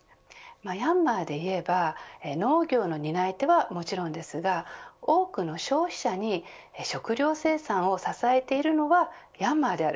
ヤンマーでいえば、農業の担い手はもちろんですが多くの消費者に食料生産を支えているのはヤンマーである。